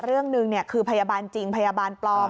เรื่องหนึ่งคือพยาบาลจริงพยาบาลปลอม